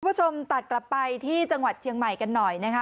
คุณผู้ชมตัดกลับไปที่จังหวัดเชียงใหม่กันหน่อยนะคะ